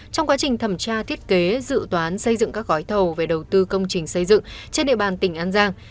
trong quá trình thẩm tra thiết kế dự toán xây dựng các gói thầu về đầu tư công trình xây dựng trên địa bàn tỉnh an giang